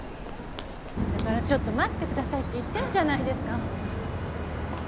だからちょっと待ってくださいって言ってるじゃないですか。